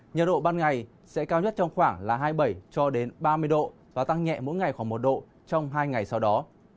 nhà độ ban ngày sẽ cao nhất trong khoảng hai mươi bảy ba mươi độ và tăng nhẹ mỗi ngày khoảng một độ trong hai ngày sau đó